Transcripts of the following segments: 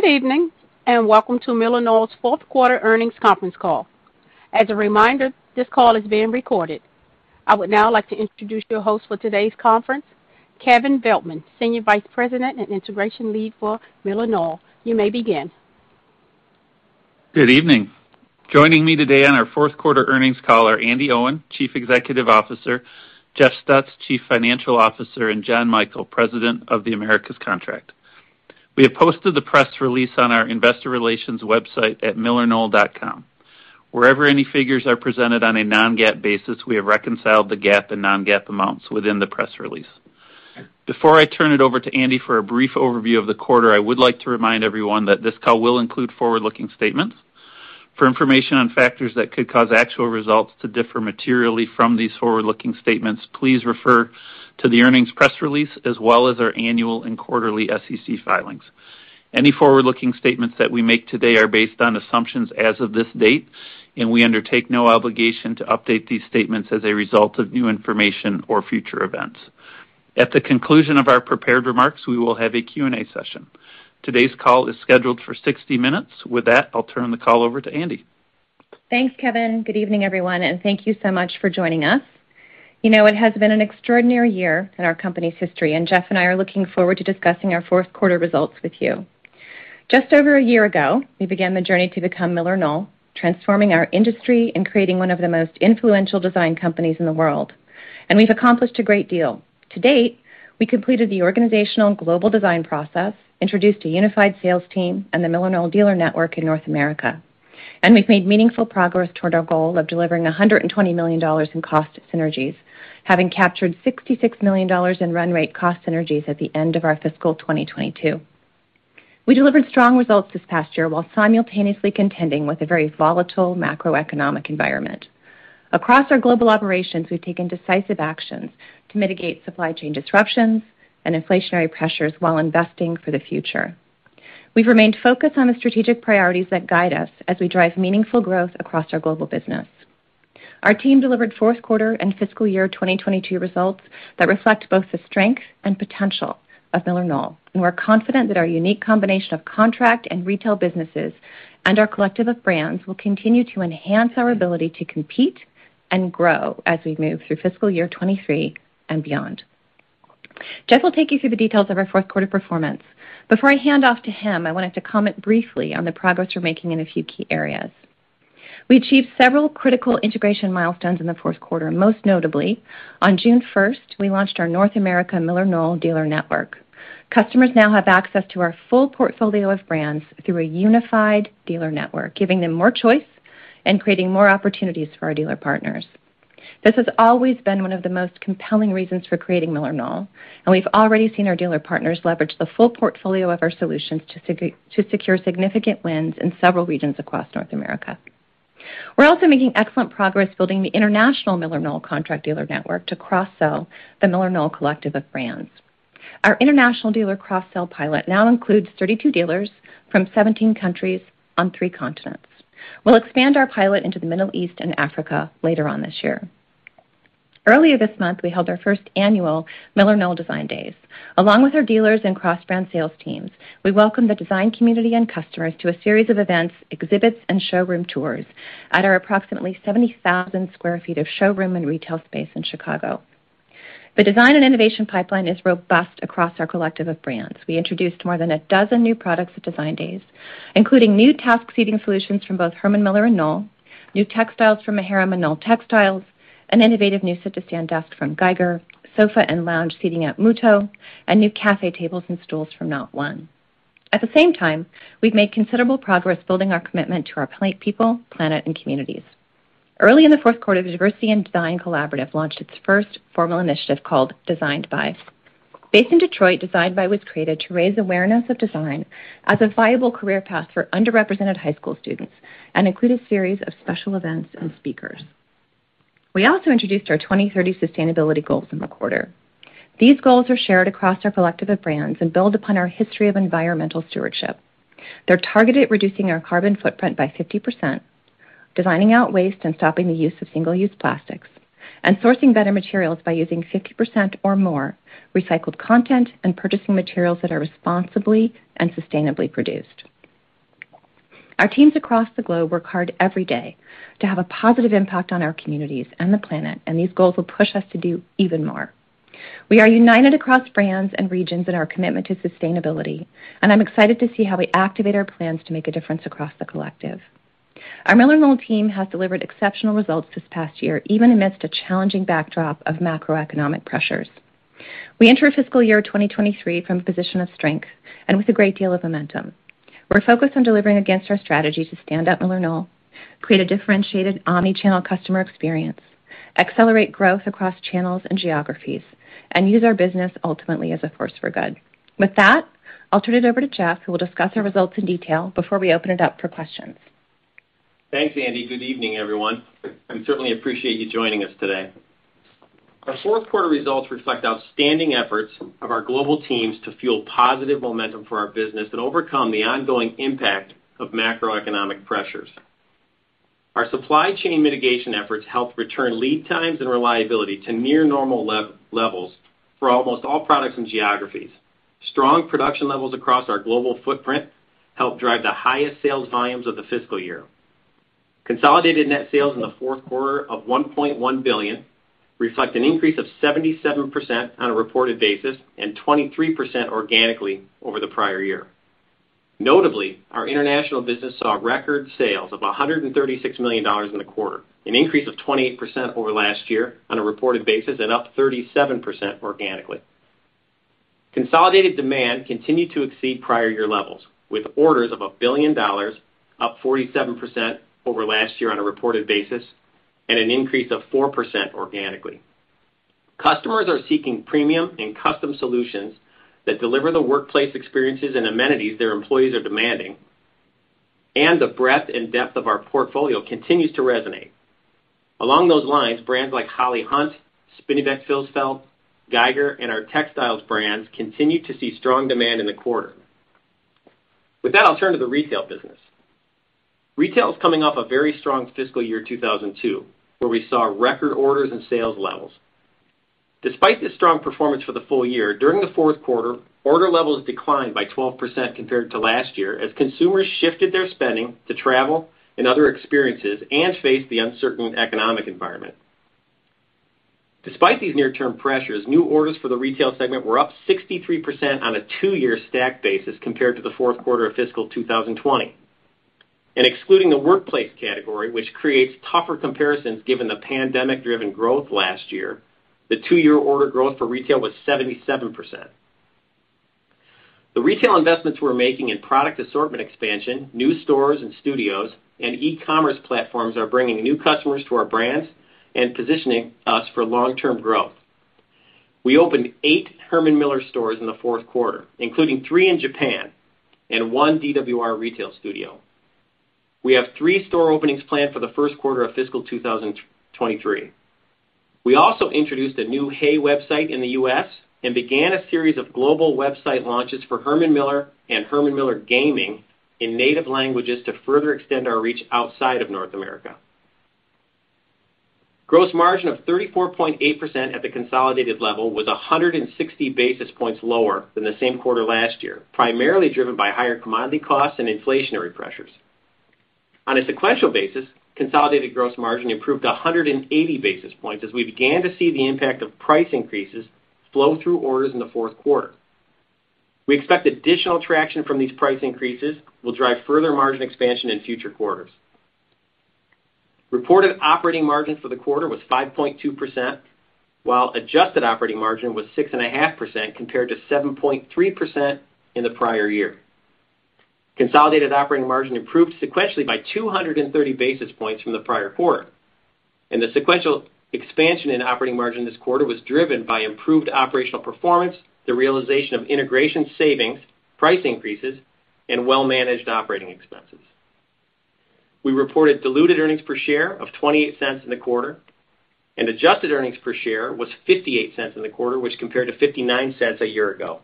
Good evening, and welcome to MillerKnoll's fourth quarter earnings conference call. As a reminder, this call is being recorded. I would now like to introduce your host for today's conference, Kevin Veltman, Senior Vice President and Integration Lead for MillerKnoll. You may begin. Good evening. Joining me today on our fourth quarter earnings call are Andi Owen, Chief Executive Officer, Jeff Stutz, Chief Financial Officer, and John Michael, President of the Americas Contract. We have posted the press release on our investor relations website at millerknoll.com. Wherever any figures are presented on a non-GAAP basis, we have reconciled the GAAP and non-GAAP amounts within the press release. Before I turn it over to Andi for a brief overview of the quarter, I would like to remind everyone that this call will include forward-looking statements. For information on factors that could cause actual results to differ materially from these forward-looking statements, please refer to the earnings press release as well as our annual and quarterly SEC filings. Any forward-looking statements that we make today are based on assumptions as of this date, and we undertake no obligation to update these statements as a result of new information or future events. At the conclusion of our prepared remarks, we will have a Q&A session. Today's call is scheduled for 60 minutes. With that, I'll turn the call over to Andi. Thanks, Kevin. Good evening, everyone, and thank you so much for joining us. You know, it has been an extraordinary year in our company's history, and Jeff and I are looking forward to discussing our fourth quarter results with you. Just over a year ago, we began the journey to become MillerKnoll, transforming our industry and creating one of the most influential design companies in the world. We've accomplished a great deal. To date, we completed the organizational and global design process, introduced a unified sales team and the MillerKnoll dealer network in North America. We've made meaningful progress toward our goal of delivering $120 million in cost synergies, having captured $66 million in run rate cost synergies at the end of our fiscal 2022. We delivered strong results this past year while simultaneously contending with a very volatile macroeconomic environment. Across our global operations, we've taken decisive actions to mitigate supply chain disruptions and inflationary pressures while investing for the future. We've remained focused on the strategic priorities that guide us as we drive meaningful growth across our global business. Our team delivered fourth quarter and fiscal year 2022 results that reflect both the strength and potential of MillerKnoll. We're confident that our unique combination of contract and retail businesses and our collective of brands will continue to enhance our ability to compete and grow as we move through fiscal year 2023 and beyond. Jeff will take you through the details of our fourth quarter performance. Before I hand off to him, I wanted to comment briefly on the progress we're making in a few key areas. We achieved several critical integration milestones in the fourth quarter. Most notably, on June 1st, we launched our North America MillerKnoll dealer network. Customers now have access to our full portfolio of brands through a unified dealer network, giving them more choice and creating more opportunities for our dealer partners. This has always been one of the most compelling reasons for creating MillerKnoll, and we've already seen our dealer partners leverage the full portfolio of our solutions to secure significant wins in several regions across North America. We're also making excellent progress building the international MillerKnoll contract dealer network to cross-sell the MillerKnoll collective of brands. Our international dealer cross-sell pilot now includes 32 dealers from 17 countries on three continents. We'll expand our pilot into the Middle East and Africa later on this year. Earlier this month, we held our first annual MillerKnoll Design Days. Along with our dealers and cross-brand sales teams, we welcomed the design community and customers to a series of events, exhibits, and showroom tours at our approximately 70,000 sq ft of showroom and retail space in Chicago. The design and innovation pipeline is robust across our collective of brands. We introduced more than 12 new products at Design Days, including new task seating solutions from both Herman Miller and Knoll, new textiles from Maharam and Knoll Textiles, an innovative new sit-to-stand desk from Geiger, sofa and lounge seating at Muuto, and new cafe tables and stools from NaughtOne. At the same time, we've made considerable progress building our commitment to our people, planet, and communities. Early in the fourth quarter, the Diversity in Design Collaborative launched its first formal initiative called Designed By. Based in Detroit, Designed By was created to raise awareness of design as a viable career path for underrepresented high school students and include a series of special events and speakers. We also introduced our 2030 sustainability goals in the quarter. These goals are shared across our collective of brands and build upon our history of environmental stewardship. They're targeted at reducing our carbon footprint by 50%, designing out waste and stopping the use of single-use plastics, and sourcing better materials by using 50% or more recycled content and purchasing materials that are responsibly and sustainably produced. Our teams across the globe work hard every day to have a positive impact on our communities and the planet, and these goals will push us to do even more. We are united across brands and regions in our commitment to sustainability, and I'm excited to see how we activate our plans to make a difference across the collective. Our MillerKnoll team has delivered exceptional results this past year, even amidst a challenging backdrop of macroeconomic pressures. We enter fiscal year 2023 from a position of strength and with a great deal of momentum. We're focused on delivering against our strategy to stand out MillerKnoll, create a differentiated omni-channel customer experience, accelerate growth across channels and geographies, and use our business ultimately as a force for good. With that, I'll turn it over to Jeff, who will discuss our results in detail before we open it up for questions. Thanks, Andi. Good evening, everyone, and certainly appreciate you joining us today. Our fourth quarter results reflect outstanding efforts of our global teams to fuel positive momentum for our business and overcome the ongoing impact of macroeconomic pressures. Supply chain mitigation efforts helped return lead times and reliability to near normal levels for almost all products and geographies. Strong production levels across our global footprint helped drive the highest sales volumes of the fiscal year. Consolidated net sales in the fourth quarter of $1.1 billion reflect an increase of 77% on a reported basis and 23% organically over the prior year. Notably, our international business saw record sales of $136 million in the quarter, an increase of 28% over last year on a reported basis, and up 37% organically. Consolidated demand continued to exceed prior year levels, with orders of $1 billion up 47% over last year on a reported basis, and an increase of 4% organically. Customers are seeking premium and custom solutions that deliver the workplace experiences and amenities their employees are demanding, and the breadth and depth of our portfolio continues to resonate. Along those lines, brands like HOLLY HUNT, Spinneybeck|FilzFelt, Geiger and our Textiles brands continued to see strong demand in the quarter. With that, I'll turn to the retail business. Retail is coming off a very strong fiscal year 2022, where we saw record orders and sales levels. Despite this strong performance for the full year, during the fourth quarter, order levels declined by 12% compared to last year as consumers shifted their spending to travel and other experiences and faced the uncertain economic environment. Despite these near-term pressures, new orders for the retail segment were up 63% on a two-year stack basis compared to the fourth quarter of fiscal 2020. Excluding the workplace category, which creates tougher comparisons given the pandemic-driven growth last year, the two-year order growth for retail was 77%. The retail investments we're making in product assortment expansion, new stores and studios, and e-commerce platforms are bringing new customers to our brands and positioning us for long-term growth. We opened eight Herman Miller stores in the fourth quarter, including three in Japan and one DWR retail studio. We have three store openings planned for the first quarter of fiscal 2023. We also introduced a new HAY website in the U.S. and began a series of global website launches for Herman Miller and Herman Miller Gaming in native languages to further extend our reach outside of North America. Gross margin of 34.8% at the consolidated level was 160 basis points lower than the same quarter last year, primarily driven by higher commodity costs and inflationary pressures. On a sequential basis, consolidated gross margin improved 180 basis points as we began to see the impact of price increases flow through orders in the fourth quarter. We expect additional traction from these price increases will drive further margin expansion in future quarters. Reported operating margin for the quarter was 5.2%, while adjusted operating margin was 6.5% compared to 7.3% in the prior year. Consolidated operating margin improved sequentially by 230 basis points from the prior quarter, and the sequential expansion in operating margin this quarter was driven by improved operational performance, the realization of integration savings, price increases, and well-managed operating expenses. We reported diluted earnings per share of $0.28 in the quarter, and adjusted earnings per share was $0.58 in the quarter, which compared to $0.59 a year ago.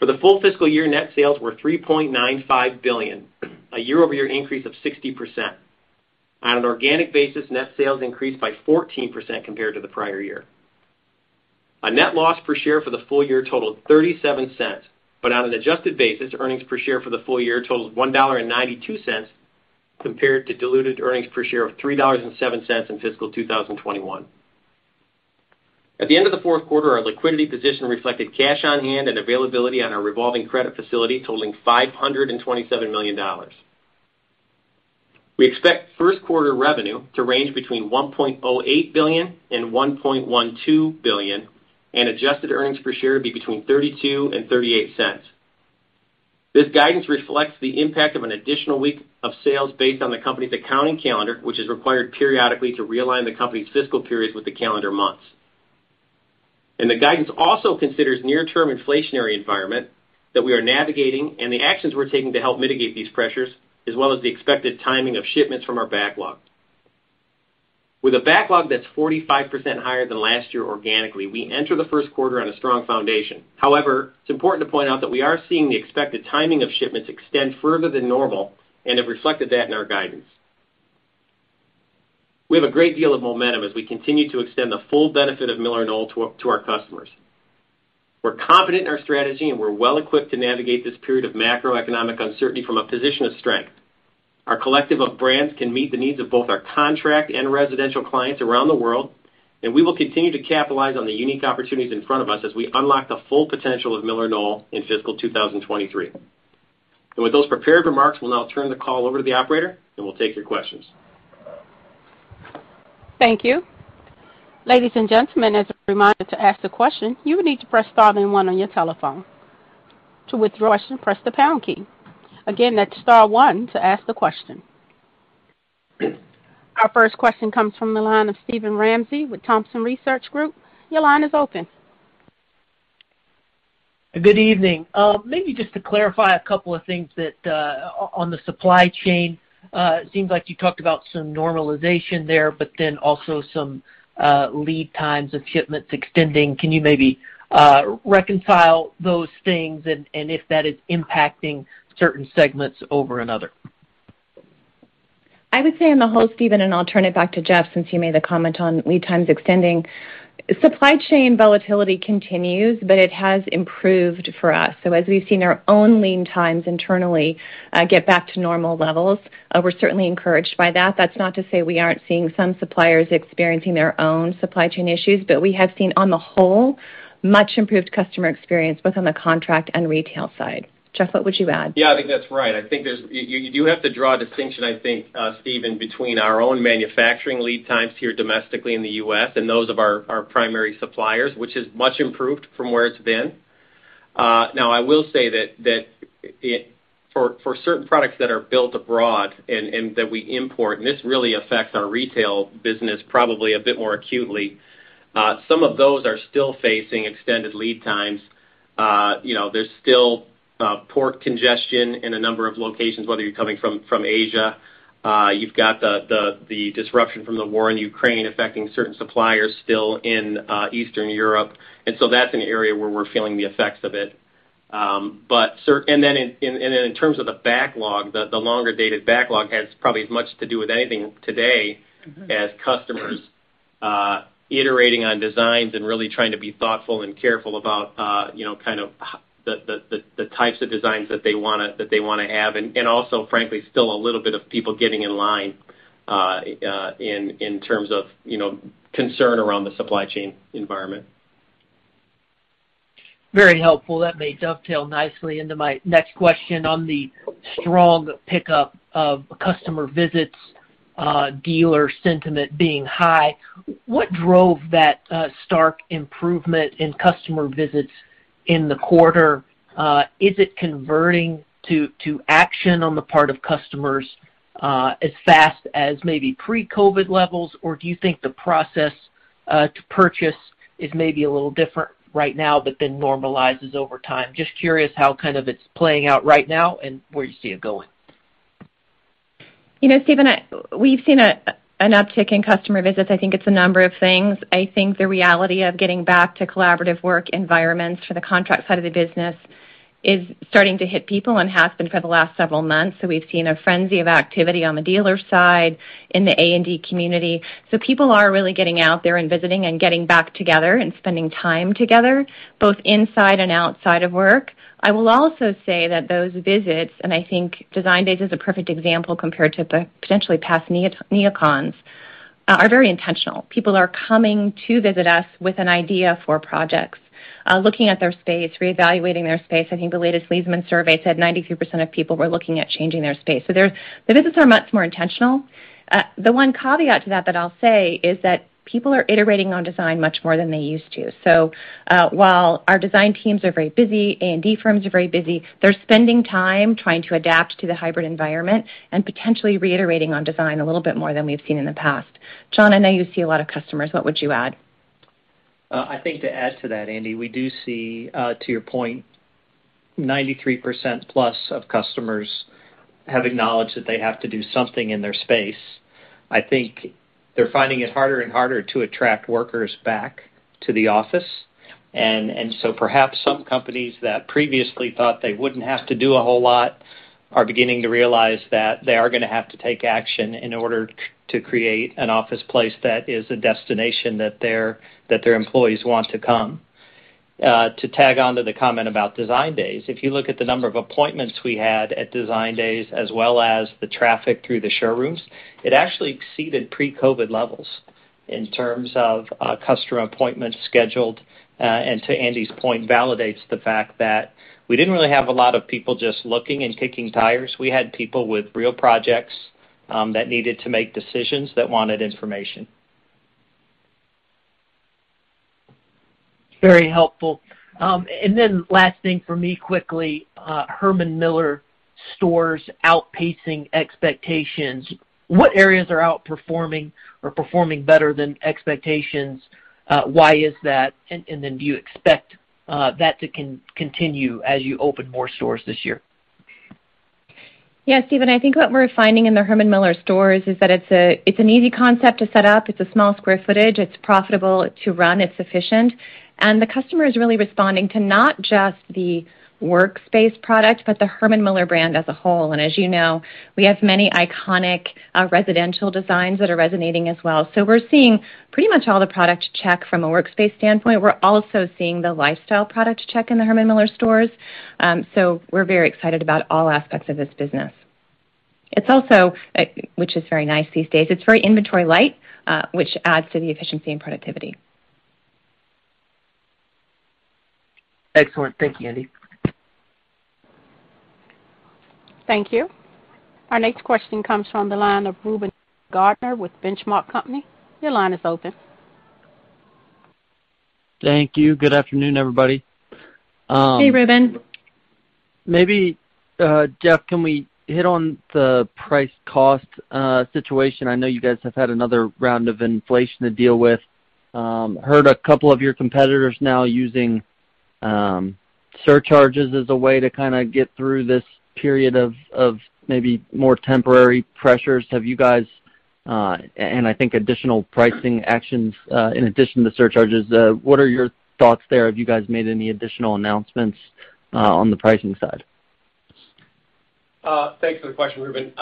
For the full fiscal year, net sales were $3.95 billion, a year-over-year increase of 60%. On an organic basis, net sales increased by 14% compared to the prior year. A net loss per share for the full year totaled $0.37. On an adjusted basis, earnings per share for the full year totaled $1.92 compared to diluted earnings per share of $3.07 in fiscal 2021. At the end of the fourth quarter, our liquidity position reflected cash on hand and availability on our revolving credit facility totaling $527 million. We expect first quarter revenue to range between $1.08 billion and $1.12 billion, and adjusted earnings per share be between $0.32 and $0.38. This guidance reflects the impact of an additional week of sales based on the company's accounting calendar, which is required periodically to realign the company's fiscal periods with the calendar months. The guidance also considers near-term inflationary environment that we are navigating and the actions we're taking to help mitigate these pressures, as well as the expected timing of shipments from our backlog. With a backlog that's 45% higher than last year organically, we enter the first quarter on a strong foundation. However, it's important to point out that we are seeing the expected timing of shipments extend further than normal and have reflected that in our guidance. We have a great deal of momentum as we continue to extend the full benefit of MillerKnoll to our customers. We're confident in our strategy, and we're well equipped to navigate this period of macroeconomic uncertainty from a position of strength. Our collective of brands can meet the needs of both our contract and residential clients around the world, and we will continue to capitalize on the unique opportunities in front of us as we unlock the full potential of MillerKnoll in fiscal 2023. With those prepared remarks, we'll now turn the call over to the operator and we'll take your questions. Thank you. Ladies and gentlemen, as a reminder to ask the question, you would need to press star then one on your telephone. To withdraw a question, press the pound key. Again, that's star one to ask the question. Our first question comes from the line of Steven Ramsey with Thompson Research Group. Your line is open. Good evening. Maybe just to clarify a couple of things that, on the supply chain, it seems like you talked about some normalization there, but then also some lead times of shipments extending. Can you maybe reconcile those things and if that is impacting certain segments over another. I would say on the whole, Steven, and I'll turn it back to Jeff since he made the comment on lead times extending. Supply chain volatility continues, but it has improved for us. As we've seen our own lead times internally get back to normal levels, we're certainly encouraged by that. That's not to say we aren't seeing some suppliers experiencing their own supply chain issues, but we have seen, on the whole, much improved customer experience, both on the contract and retail side. Jeff, what would you add? Yeah, I think that's right. I think you do have to draw a distinction, I think, Steven, between our own manufacturing lead times here domestically in the U.S. and those of our primary suppliers, which is much improved from where it's been. Now I will say that for certain products that are built abroad and that we import, and this really affects our retail business probably a bit more acutely, some of those are still facing extended lead times. You know, there's still port congestion in a number of locations, whether you're coming from Asia. You've got the disruption from the war in Ukraine affecting certain suppliers still in Eastern Europe. That's an area where we're feeling the effects of it. In terms of the backlog, the longer-dated backlog has probably as much to do with anything today as customers iterating on designs and really trying to be thoughtful and careful about, you know, kind of the types of designs that they wanna have. Also, frankly, still a little bit of people getting in line, in terms of, you know, concern around the supply chain environment. Very helpful. That may dovetail nicely into my next question on the strong pickup of customer visits, dealer sentiment being high. What drove that stark improvement in customer visits in the quarter? Is it converting to action on the part of customers as fast as maybe pre-COVID levels? Or do you think the process to purchase is maybe a little different right now but then normalizes over time? Just curious how kind of it's playing out right now and where you see it going. You know, Steven, we've seen an uptick in customer visits. I think it's a number of things. I think the reality of getting back to collaborative work environments for the contract side of the business is starting to hit people and has been for the last several months. We've seen a frenzy of activity on the dealer side in the A&D community. People are really getting out there and visiting and getting back together and spending time together, both inside and outside of work. I will also say that those visits, and I think Design Days is a perfect example compared to the potentially past NeoCon, are very intentional. People are coming to visit us with an idea for projects, looking at their space, reevaluating their space. I think the latest Leesman Survey said 93% of people were looking at changing their space. The visits are much more intentional. The one caveat to that that I'll say is that people are iterating on design much more than they used to. While our design teams are very busy, A&D firms are very busy, they're spending time trying to adapt to the hybrid environment and potentially reiterating on design a little bit more than we've seen in the past. John, I know you see a lot of customers. What would you add? I think to add to that, Andi, we do see, to your point, 93%+ of customers have acknowledged that they have to do something in their space. I think they're finding it harder and harder to attract workers back to the office. Perhaps some companies that previously thought they wouldn't have to do a whole lot are beginning to realize that they are gonna have to take action in order to create an office place that is a destination that their employees want to come. To tack on to the comment about Design Days, if you look at the number of appointments we had at Design Days as well as the traffic through the showrooms, it actually exceeded pre-COVID levels in terms of customer appointments scheduled. To Andi's point, validates the fact that we didn't really have a lot of people just looking and kicking tires. We had people with real projects, that needed to make decisions, that wanted information. Very helpful. Last thing for me quickly, Herman Miller stores outpacing expectations. What areas are outperforming or performing better than expectations? Why is that? Do you expect that to continue as you open more stores this year? Yeah, Steven, I think what we're finding in the Herman Miller stores is that it's an easy concept to set up. It's a small square footage. It's profitable to run. It's efficient. The customer is really responding to not just the workspace product, but the Herman Miller brand as a whole. As you know, we have many iconic residential designs that are resonating as well. We're seeing pretty much all the product check from a workspace standpoint. We're also seeing the lifestyle product check in the Herman Miller stores. We're very excited about all aspects of this business. It's also, which is very nice these days, it's very inventory light, which adds to the efficiency and productivity. Excellent. Thank you, Andi. Thank you. Our next question comes from the line of Reuben Garner with The Benchmark Company. Your line is open. Thank you. Good afternoon, everybody. Hey, Reuben. Maybe, Jeff, can we hit on the price cost situation? I know you guys have had another round of inflation to deal with. Heard a couple of your competitors now using surcharges is a way to kinda get through this period of maybe more temporary pressures. Have you guys and I think additional pricing actions in addition to surcharges, what are your thoughts there? Have you guys made any additional announcements on the pricing side? Thanks for the question, Reuben.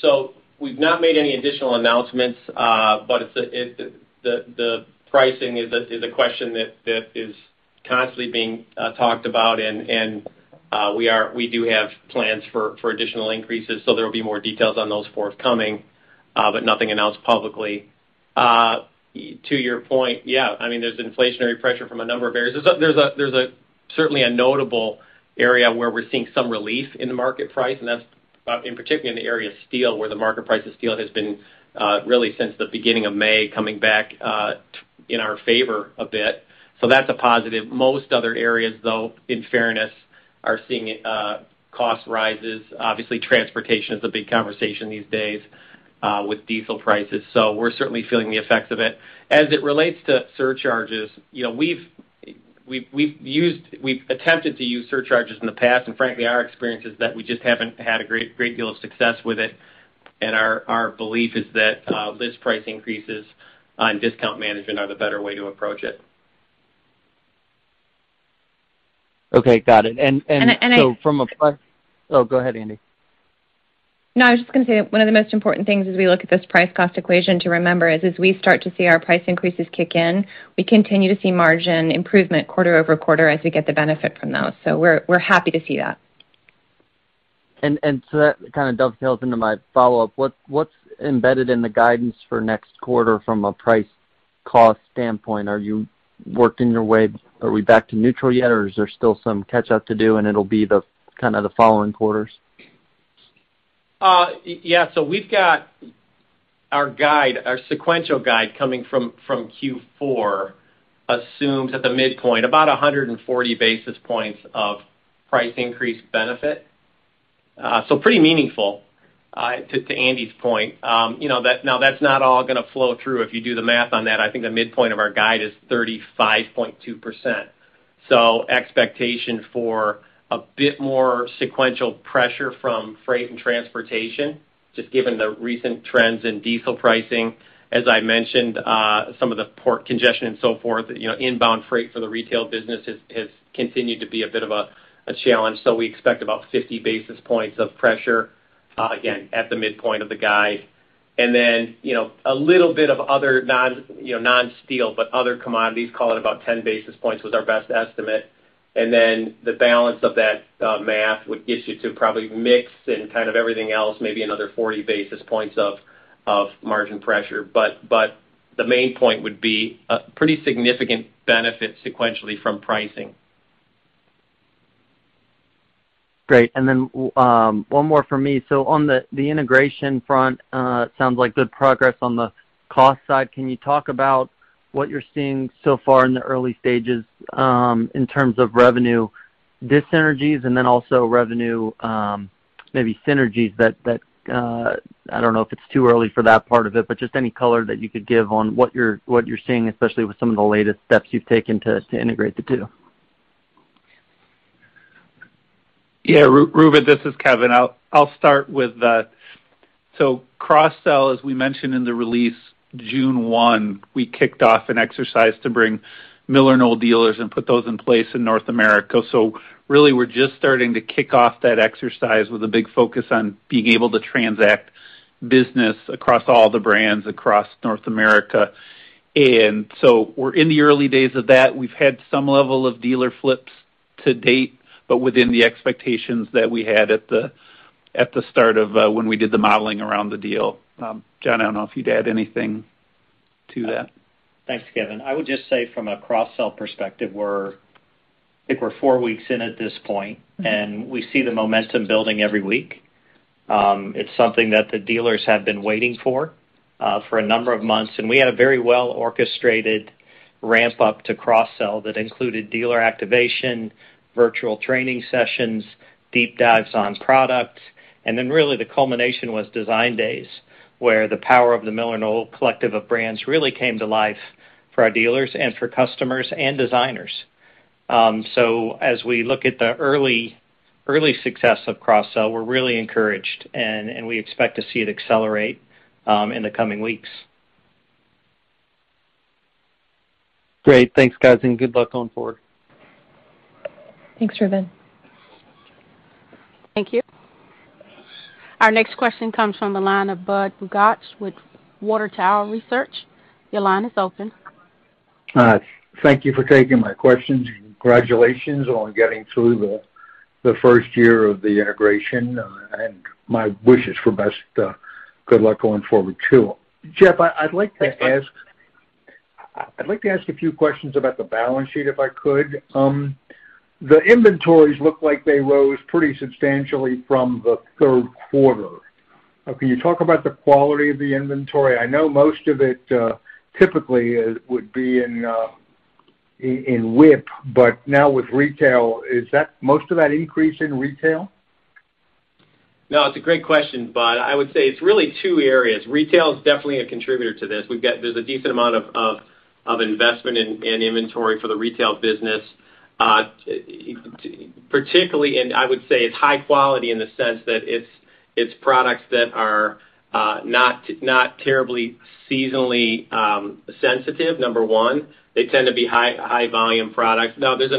So we've not made any additional announcements, but the pricing is a question that is constantly being talked about, and we do have plans for additional increases, so there will be more details on those forthcoming, but nothing announced publicly. To your point, yeah, I mean, there's inflationary pressure from a number of areas. There's certainly a notable area where we're seeing some relief in the market price, and that's in particular in the area of steel, where the market price of steel has been really since the beginning of May coming back in our favor a bit. So that's a positive. Most other areas, though, in fairness, are seeing cost rises. Obviously, transportation is a big conversation these days with diesel prices, so we're certainly feeling the effects of it. As it relates to surcharges, you know, we've attempted to use surcharges in the past, and frankly, our experience is that we just haven't had a great deal of success with it, and our belief is that list price increases on discount management are the better way to approach it. Okay, got it. I Oh, go ahead, Andi. No, I was just gonna say that one of the most important things as we look at this price-cost equation to remember is, as we start to see our price increases kick in, we continue to see margin improvement quarter over quarter as we get the benefit from those. We're happy to see that. That kinda dovetails into my follow-up. What's embedded in the guidance for next quarter from a price-cost standpoint? Are we back to neutral yet, or is there still some catch up to do and it'll be the kind of following quarters? Yeah. We've got our guide, our sequential guide coming from Q4 assumes at the midpoint about 100 basis points of price increase benefit. Pretty meaningful to Andi's point. You know, that's not all gonna flow through. If you do the math on that, I think the midpoint of our guide is 35.2%. Expectation for a bit more sequential pressure from freight and transportation, just given the recent trends in diesel pricing. As I mentioned, some of the port congestion and so forth, you know, inbound freight for the retail business has continued to be a bit of a challenge. We expect about 50 basis points of pressure, again, at the midpoint of the guide. You know, a little bit of other non, you know, non-steel but other commodities, call it about 10 basis points with our best estimate. The balance of that, math would get you to probably mix in kind of everything else, maybe another 40 basis points of margin pressure. The main point would be a pretty significant benefit sequentially from pricing. Great. One more from me. On the integration front, sounds like good progress on the cost side. Can you talk about what you're seeing so far in the early stages, in terms of revenue dyssynergies and then also revenue, maybe synergies that, I don't know if it's too early for that part of it, but just any color that you could give on what you're seeing, especially with some of the latest steps you've taken to integrate the two. Yeah, Reuben, this is Kevin. I'll start with that. Cross-sell, as we mentioned in the release, June 1, we kicked off an exercise to bring MillerKnoll dealers and put those in place in North America. Really we're just starting to kick off that exercise with a big focus on being able to transact business across all the brands across North America. We're in the early days of that. We've had some level of dealer flips to date, but within the expectations that we had at the start of when we did the modeling around the deal. John, I don't know if you'd add anything to that. Thanks, Kevin. I would just say from a cross-sell perspective, I think we're four weeks in at this point, and we see the momentum building every week. It's something that the dealers have been waiting for for a number of months, and we had a very well-orchestrated ramp-up to cross-sell that included dealer activation, virtual training sessions, deep dives on products. Then really the culmination was Design Days, where the power of the MillerKnoll collective of brands really came to life for our dealers and for customers and designers. So as we look at the early success of cross-sell, we're really encouraged and we expect to see it accelerate in the coming weeks. Great. Thanks, guys, and good luck going forward. Thanks, Reuben. Thank you. Our next question comes from the line of Budd Bugatch with Water Tower Research. Your line is open. Thank you for taking my questions, and congratulations on getting through the first year of the integration. My best wishes for good luck going forward too. Jeff, I'd like to ask. Thanks, Budd. I'd like to ask a few questions about the balance sheet, if I could. The inventories look like they rose pretty substantially from the third quarter. Can you talk about the quality of the inventory? I know most of it, typically would be in WIP, but now with retail, is that most of that increase in retail? No, it's a great question, Budd. I would say it's really two areas. Retail is definitely a contributor to this. There's a decent amount of investment in inventory for the retail business. Particularly, I would say, it's high quality in the sense that it's products that are not terribly seasonally sensitive, number one. They tend to be high volume products. There's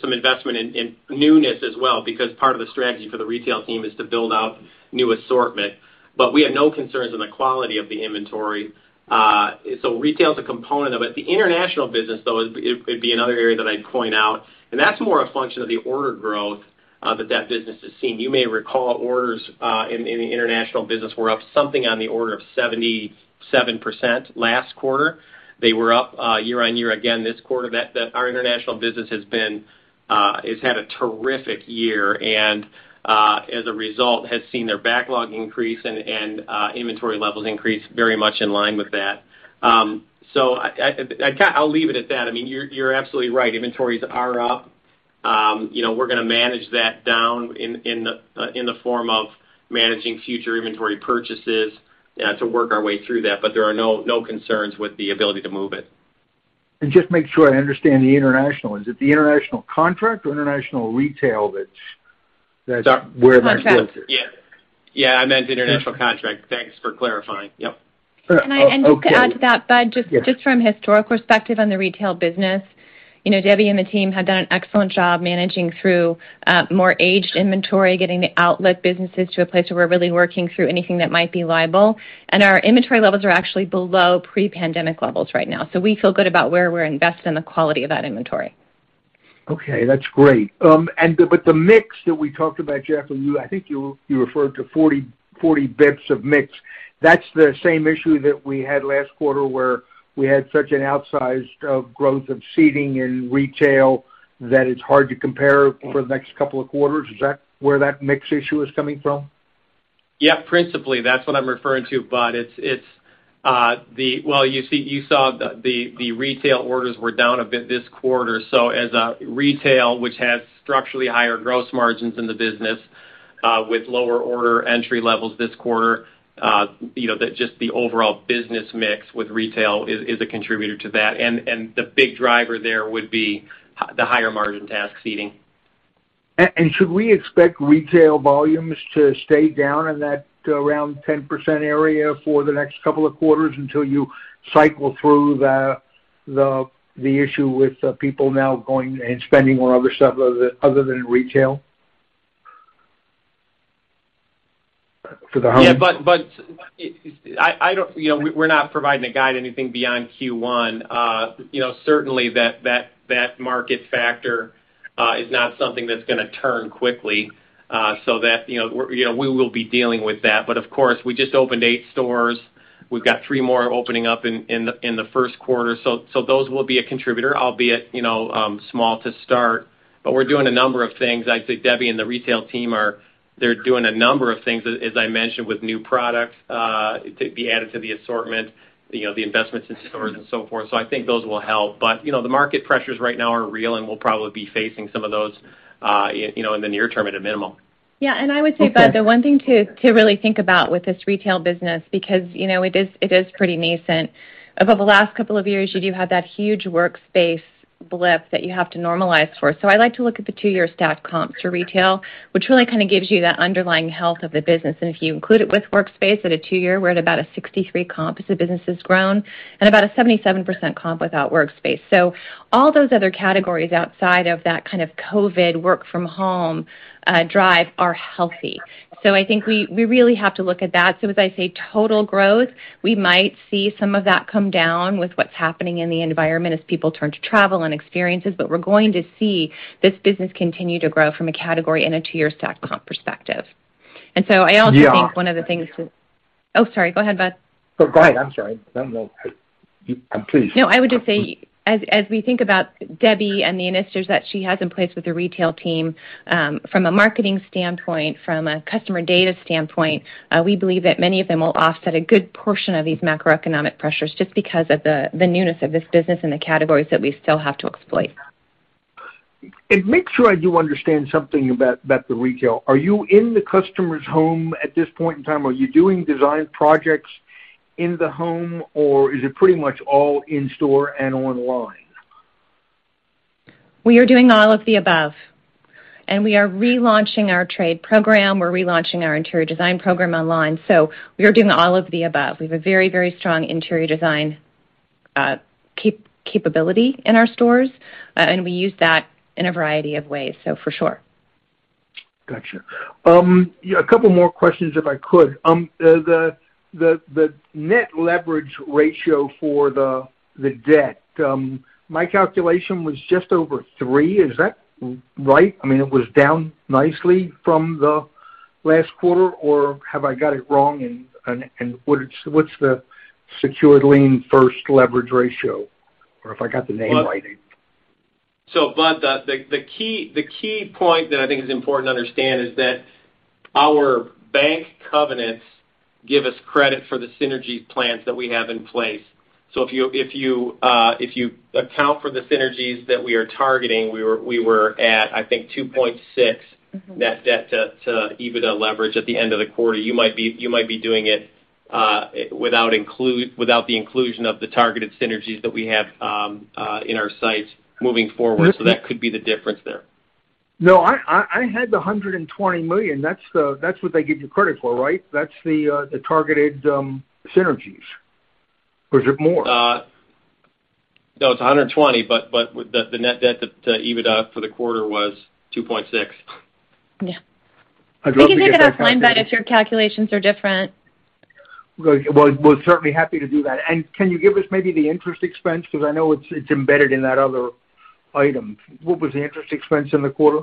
some investment in newness as well because part of the strategy for the retail team is to build out new assortment. We have no concerns on the quality of the inventory. Retail is a component of it. The international business, though, would be another area that I'd point out, and that's more a function of the order growth that business is seeing. You may recall orders in the international business were up something on the order of 77% last quarter. They were up year-over-year again this quarter. Our international business has had a terrific year and as a result has seen their backlog increase and inventory levels increase very much in line with that. I'll leave it at that. I mean, you're absolutely right. Inventories are up. You know, we're gonna manage that down in the form of managing future inventory purchases to work our way through that. There are no concerns with the ability to move it. Just make sure I understand the international. Is it the international contract or international retail that's where that is? Yeah. Yeah, I meant international contract. Thanks for clarifying. Yep. Okay. Just to add to that, Budd, just from a historical perspective on the retail business. You know, Debbie and the team have done an excellent job managing through more aged inventory, getting the outlet businesses to a place where we're really working through anything that might be liable. Our inventory levels are actually below pre-pandemic levels right now. We feel good about where we're invested and the quality of that inventory. Okay, that's great. The mix that we talked about, Jeff, and you, I think you referred to 40 basis points of mix. That's the same issue that we had last quarter, where we had such an outsize growth in seating in retail that it's hard to compare for the next couple of quarters. Is that where that mix issue is coming from? Yeah. Principally, that's what I'm referring to, Budd. Well, you see, you saw the retail orders were down a bit this quarter. As retail, which has structurally higher gross margins in the business, with lower order entry levels this quarter, you know, that just the overall business mix with retail is a contributor to that. The big driver there would be the higher margin task seating. Should we expect retail volumes to stay down in that around 10% area for the next couple of quarters until you cycle through the issue with people now going and spending on other stuff other than retail? For the home. Yeah. I don't you know we're not providing a guide or anything beyond Q1. You know, certainly that market factor is not something that's gonna turn quickly, so that you know we're you know we will be dealing with that. Of course, we just opened eight stores. We've got three more opening up in the first quarter. Those will be a contributor, albeit you know small to start. We're doing a number of things. I think Debbie and the retail team are doing a number of things, as I mentioned, with new products to be added to the assortment, you know, the investments in stores and so forth. I think those will help. You know, the market pressures right now are real, and we'll probably be facing some of those, you know, in the near term at a minimum. Yeah. I would say, Budd, the one thing to really think about with this retail business, because, you know, it is pretty nascent. Over the last couple of years, you do have that huge workspace blip that you have to normalize for. I like to look at the two-year stacked comps for retail, which really kinda gives you that underlying health of the business. If you include it with workspace at a two-year, we're at about a 63 comp as the business has grown and about a 77% comp without workspace. All those other categories outside of that kind of COVID work from home drive are healthy. I think we really have to look at that. As I say, total growth, we might see some of that come down with what's happening in the environment as people turn to travel and experiences. We're going to see this business continue to grow from a category in a two-year stacked comp perspective. I also think one of the things. Oh, sorry. Go ahead, Budd Bugatch. Go ahead. I'm sorry. No, no. Please. No, I would just say as we think about Debbie and the initiatives that she has in place with the retail team, from a marketing standpoint, from a customer data standpoint, we believe that many of them will offset a good portion of these macroeconomic pressures just because of the newness of this business and the categories that we still have to exploit. Make sure I do understand something about the retail. Are you in the customer's home at this point in time? Are you doing design projects in the home, or is it pretty much all in-store and online? We are doing all of the above, and we are relaunching our trade program. We're relaunching our interior design program online. We are doing all of the above. We have a very, very strong interior design capability in our stores, and we use that in a variety of ways, so for sure. Gotcha. Yeah, a couple more questions, if I could. The net leverage ratio for the debt, my calculation was just over three. Is that right? I mean, it was down nicely from the last quarter, or have I got it wrong? What's the secured lien first leverage ratio, or if I got the name right? Budd, the key point that I think is important to understand is that our bank covenants give us credit for the synergy plans that we have in place. If you account for the synergies that we are targeting, we were at, I think, 2.6- Mm-hmm. net debt to EBITDA leverage at the end of the quarter. You might be doing it without the inclusion of the targeted synergies that we have in our sights moving forward. Mm-hmm. That could be the difference there. No, I had the $120 million. That's what they give you credit for, right? That's the targeted synergies. Or is it more? No, it's $120 million, but the net debt to EBITDA for the quarter was 2.6x. Yeah. I'd love to get offline, Andi. We can take it offline, Budd, if your calculations are different. Well, we're certainly happy to do that. Can you give us maybe the interest expense? 'Cause I know it's embedded in that other item. What was the interest expense in the quarter?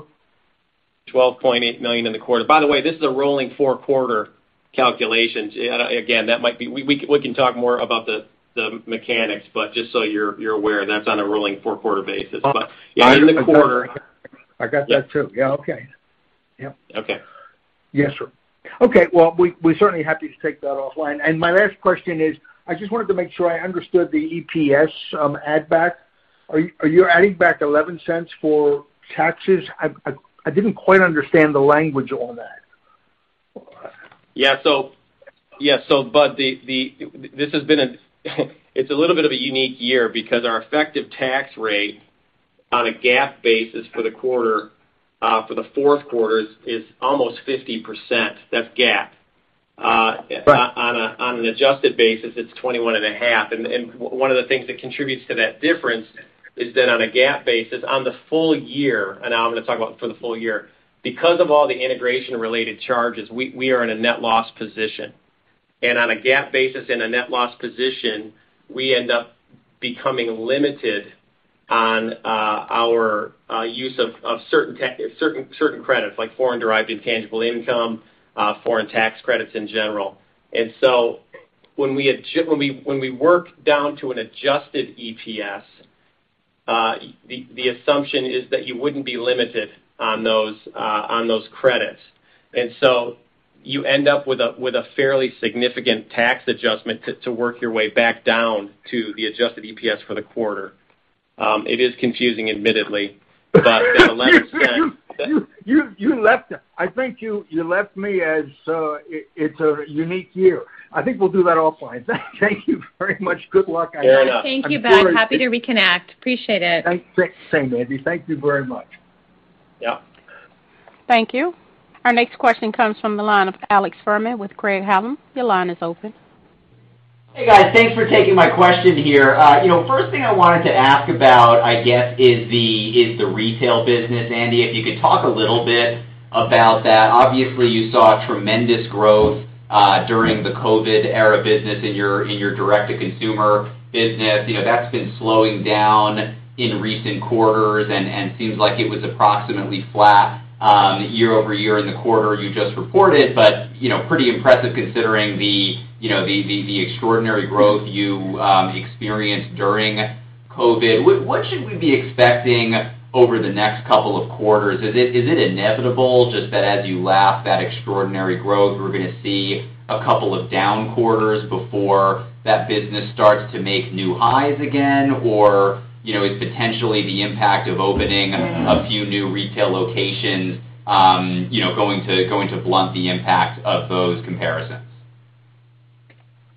$12.8 million in the quarter. By the way, this is a rolling four-quarter calculation. Again, that might be. We can talk more about the mechanics, but just so you're aware, that's on a rolling four-quarter basis. Oh. In the quarter. I got that too. Yeah. Yeah, okay. Yep. Okay. Yes, sir. Okay, well, we certainly happy to take that offline. My last question is, I just wanted to make sure I understood the EPS add back. Are you adding back $0.11 for taxes? I didn't quite understand the language on that. Budd, this has been a little bit of a unique year because our effective tax rate on a GAAP basis for the quarter, for the fourth quarter is almost 50%. That's GAAP. Right. On an adjusted basis, it's $21.5 million. One of the things that contributes to that difference is that on a GAAP basis, on the full year, now I'm gonna talk about for the full year, because of all the integration-related charges, we are in a net loss position. On a GAAP basis in a net loss position, we end up becoming limited on our use of certain credits, like Foreign-Derived Intangible Income, foreign tax credits in general. When we work down to an adjusted EPS, the assumption is that you wouldn't be limited on those credits. You end up with a fairly significant tax adjustment to work your way back down to the adjusted EPS for the quarter. It is confusing, admittedly. The $0.11 You left it. I think you left me as it's a unique year. I think we'll do that offline. Thank you very much. Good luck. Fair enough. Thank you, Budd. Happy to reconnect. Appreciate it. Thanks. Same, Andi. Thank you very much. Yeah. Thank you. Our next question comes from the line of Alex Fuhrman with Craig-Hallum. Your line is open. Hey, guys. Thanks for taking my question here. You know, first thing I wanted to ask about, I guess, is the retail business. Andi, if you could talk a little bit about that. Obviously, you saw tremendous growth during the COVID era business in your direct-to-consumer business. You know, that's been slowing down in recent quarters and seems like it was approximately flat year-over-year in the quarter you just reported. You know, pretty impressive considering, you know, the extraordinary growth you experienced during COVID. What should we be expecting over the next couple of quarters? Is it inevitable just that as you lap that extraordinary growth, we're gonna see a couple of down quarters before that business starts to make new highs again? You know, is potentially the impact of opening a few new retail locations, you know, going to blunt the impact of those comparisons?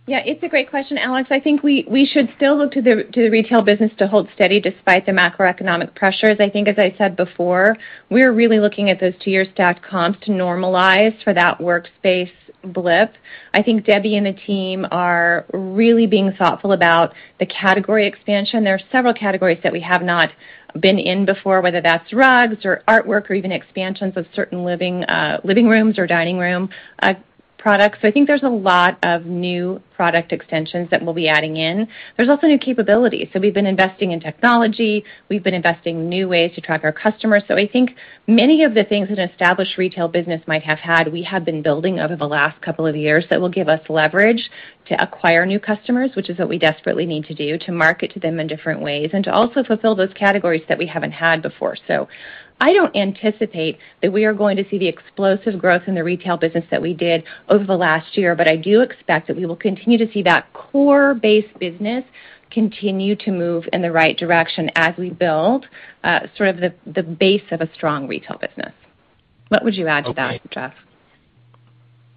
Yeah, it's a great question, Alex. I think we should still look to the retail business to hold steady despite the macroeconomic pressures. I think, as I said before, we're really looking at those two years stacked comps to normalize for that workspace blip. I think Debbie and the team are really being thoughtful about the category expansion. There are several categories that we have not been in before, whether that's rugs or artwork or even expansions of certain living rooms or dining room products. I think there's a lot of new product extensions that we'll be adding in. There's also new capabilities. We've been investing in technology. We've been investing new ways to track our customers. I think many of the things an established retail business might have had, we have been building over the last couple of years that will give us leverage to acquire new customers, which is what we desperately need to do, to market to them in different ways, and to also fulfill those categories that we haven't had before. I don't anticipate that we are going to see the explosive growth in the retail business that we did over the last year, but I do expect that we will continue to see that core base business continue to move in the right direction as we build sort of the base of a strong retail business. What would you add to that, Jeff?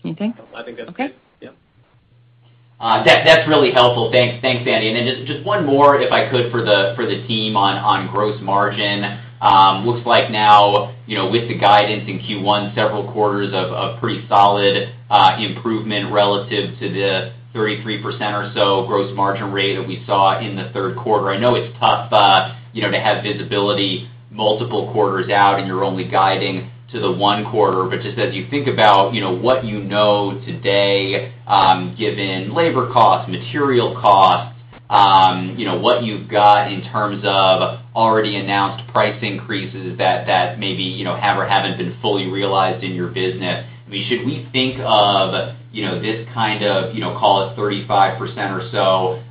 Anything? I think that's good. Okay. Yeah. That's really helpful. Thanks. Thanks, Andi. Then just one more, if I could, for the team on gross margin. Looks like now, you know, with the guidance in Q1, several quarters of pretty solid improvement relative to the 33% or so gross margin rate that we saw in the third quarter. I know it's tough, you know, to have visibility multiple quarters out, and you're only guiding to the one quarter. Just as you think about, you know, what you know today, given labor costs, material costs, you know, what you've got in terms of already announced price increases that maybe, you know, have or haven't been fully realized in your business, I mean, should we think of, you know, this kind of, you know, call it 35% or so,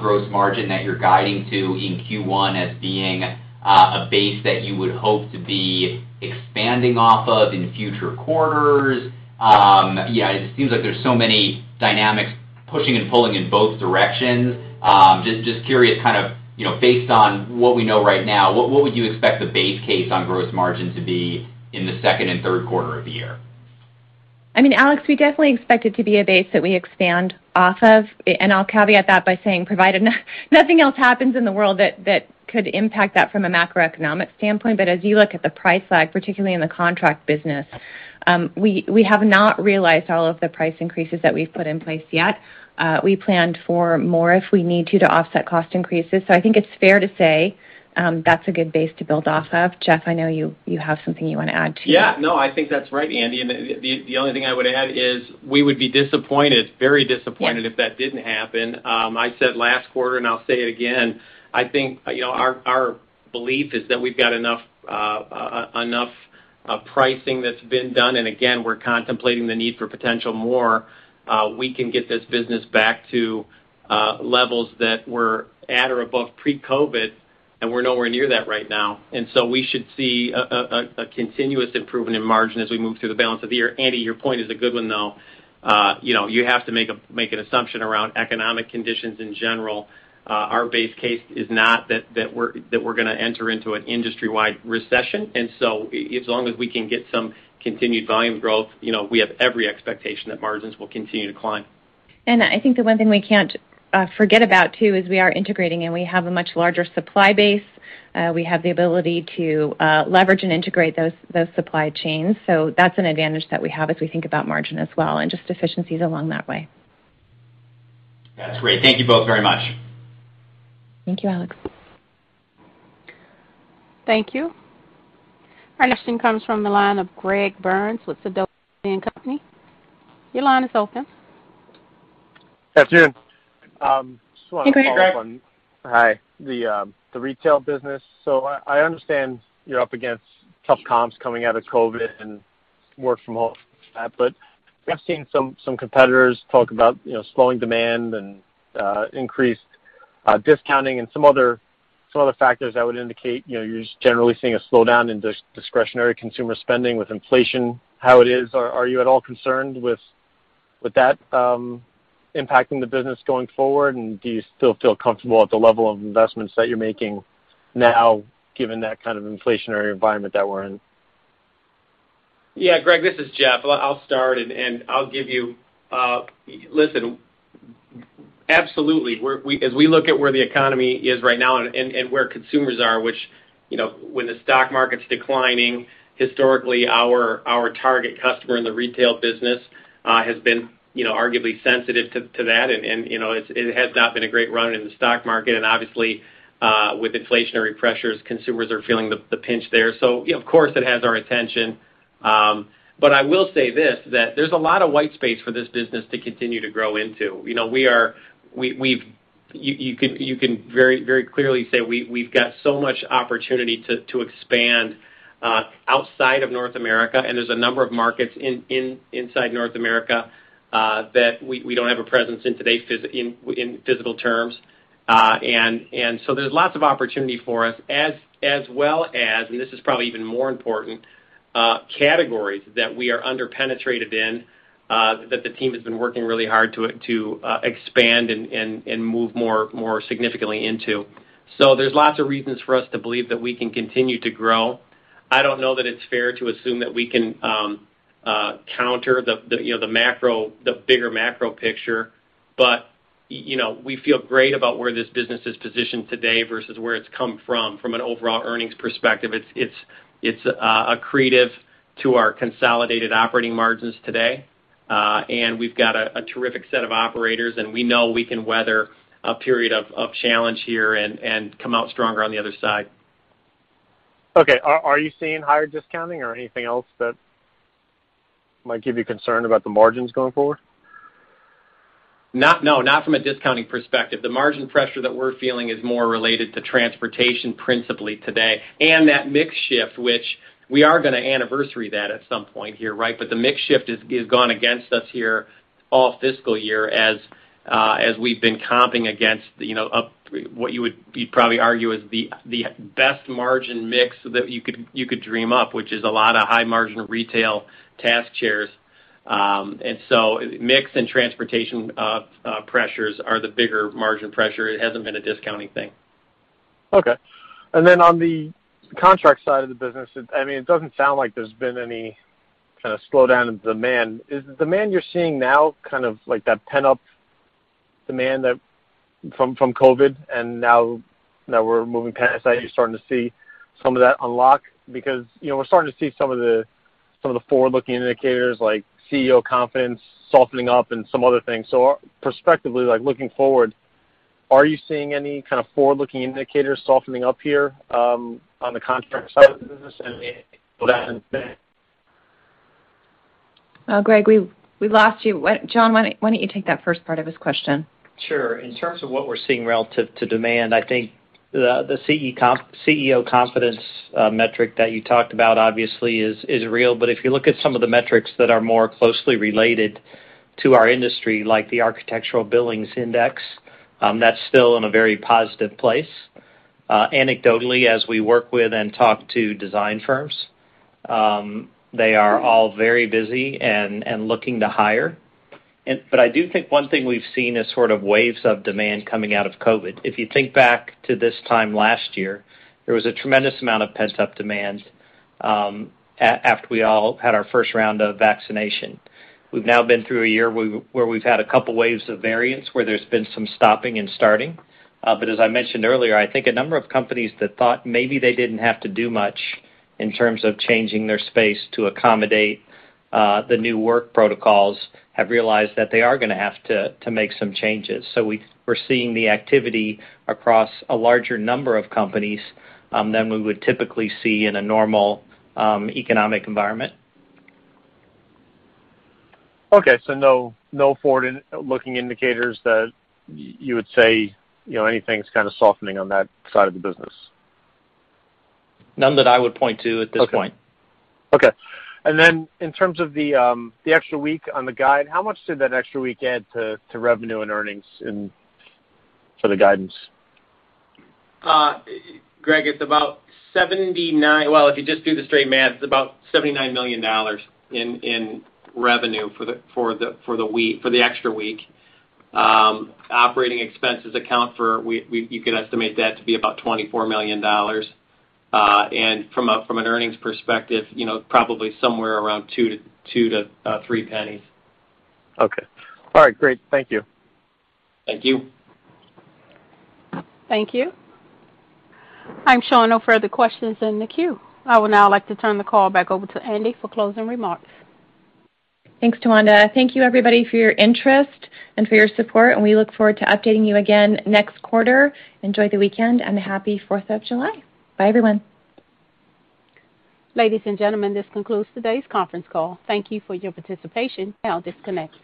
gross margin that you're guiding to in Q1 as being a base that you would hope to be expanding off of in future quarters? Yeah, it seems like there's so many dynamics pushing and pulling in both directions. Just curious kind of, you know, based on what we know right now, what would you expect the base case on gross margin to be in the second and third quarter of the year? I mean, Alex, we definitely expect it to be a base that we expand off of, and I'll caveat that by saying provided nothing else happens in the world that could impact that from a macroeconomic standpoint. As you look at the price lag, particularly in the contract business, we have not realized all of the price increases that we've put in place yet. We planned for more if we need to offset cost increases. I think it's fair to say, that's a good base to build off of. Jeff, I know you have something you wanna add, too. Yeah. No, I think that's right, Andi. The only thing I would add is we would be disappointed, very disappointed. Yes if that didn't happen. I said last quarter and I'll say it again, I think, you know, our belief is that we've got enough pricing that's been done, and again, we're contemplating the need for potential more, we can get this business back to levels that were at or above pre-COVID, and we're nowhere near that right now. We should see a continuous improvement in margin as we move through the balance of the year. Andi, your point is a good one, though. You know, you have to make an assumption around economic conditions in general. Our base case is not that we're gonna enter into an industry-wide recession. As long as we can get some continued volume growth, you know, we have every expectation that margins will continue to climb. I think the one thing we can't forget about too is we are integrating, and we have a much larger supply base. We have the ability to leverage and integrate those supply chains. That's an advantage that we have as we think about margin as well and just efficiencies along that way. That's great. Thank you both very much. Thank you, Alex. Thank you. Our next question comes from the line of Greg Burns with Sidoti & Company. Your line is open. Afternoon. Just wanna follow up on- You can hear us? Hi. The retail business. I understand you're up against tough comps coming out of COVID and work from home and that, but we have seen some competitors talk about, you know, slowing demand and increased discounting and some other factors that would indicate, you know, you're just generally seeing a slowdown in discretionary consumer spending with inflation, how it is. Are you at all concerned with that impacting the business going forward? And do you still feel comfortable at the level of investments that you're making now given that kind of inflationary environment that we're in? Yeah. Greg, this is Jeff. I'll start and I'll give you. Listen, absolutely, we, as we look at where the economy is right now and where consumers are, which, you know, when the stock market's declining, historically our target customer in the retail business has been, you know, arguably sensitive to that. You know, it has not been a great run in the stock market. Obviously, with inflationary pressures, consumers are feeling the pinch there. Of course, it has our attention. But I will say this, that there's a lot of white space for this business to continue to grow into. You know, you can very clearly say we've got so much opportunity to expand outside of North America, and there's a number of markets inside North America that we don't have a presence in today in physical terms. There's lots of opportunity for us as well as, and this is probably even more important, categories that we are under-penetrated in that the team has been working really hard to expand and move more significantly into. There's lots of reasons for us to believe that we can continue to grow. I don't know that it's fair to assume that we can counter the you know, the macro, the bigger macro picture. You know, we feel great about where this business is positioned today versus where it's come from an overall earnings perspective. It's accretive to our consolidated operating margins today. We've got a terrific set of operators, and we know we can weather a period of challenge here and come out stronger on the other side. Okay. Are you seeing higher discounting or anything else that might give you concern about the margins going forward? No, not from a discounting perspective. The margin pressure that we're feeling is more related to transportation principally today, and that mix shift, which we are gonna anniversary that at some point here, right? The mix shift has gone against us here all fiscal year as we've been comping against, you know, what you would you'd probably argue is the best margin mix that you could dream up, which is a lot of high margin retail task chairs. Mix and transportation pressures are the bigger margin pressure. It hasn't been a discounting thing. Okay. On the contract side of the business, it—I mean, it doesn't sound like there's been any kind of slowdown in demand. Is the demand you're seeing now kind of like that pent-up demand that from COVID, and now that we're moving past that, you're starting to see some of that unlock? Because, you know, we're starting to see some of the forward-looking indicators like CEO confidence softening up and some other things. Prospectively, like looking forward, are you seeing any kind of forward-looking indicators softening up here on the contract side of the business and... Greg, we lost you. What, John, why don't you take that first part of his question? Sure. In terms of what we're seeing relative to demand, I think the CEO confidence metric that you talked about obviously is real. If you look at some of the metrics that are more closely related to our industry, like the Architecture Billings Index, that's still in a very positive place. Anecdotally, as we work with and talk to design firms, they are all very busy and looking to hire. I do think one thing we've seen is sort of waves of demand coming out of COVID. If you think back to this time last year, there was a tremendous amount of pent-up demand, after we all had our first round of vaccination. We've now been through a year where we've had a couple waves of variants where there's been some stopping and starting. As I mentioned earlier, I think a number of companies that thought maybe they didn't have to do much in terms of changing their space to accommodate the new work protocols have realized that they are gonna have to make some changes. We're seeing the activity across a larger number of companies than we would typically see in a normal economic environment. Okay. No forward-looking indicators that you would say, you know, anything's kinda softening on that side of the business? None that I would point to at this point. Okay. In terms of the extra week on the guide, how much did that extra week add to revenue and earnings for the guidance? Greg, well, if you just do the straight math, it's about $79 million in revenue for the extra week. Operating expenses account for, you could estimate that to be about $24 million. From an earnings perspective, you know, probably somewhere around $0.02-$0.03. Okay. All right, great. Thank you. Thank you. Thank you. I'm showing no further questions in the queue. I would now like to turn the call back over to Andi for closing remarks. Thanks, Tawanda. Thank you everybody for your interest and for your support, and we look forward to updating you again next quarter. Enjoy the weekend and a happy Fourth of July. Bye, everyone. Ladies and gentlemen, this concludes today's conference call. Thank you for your participation. You may now disconnect.